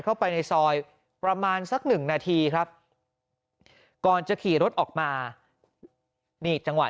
เข้าไปในซอยประมาณสักหนึ่งนาทีครับก่อนจะขี่รถออกมานี่จังหวะ